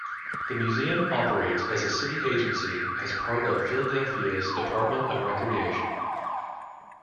The Museum operates as a city agency as part of Philadelphia's Department of Recreation.